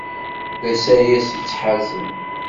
D asayes yettḥazen.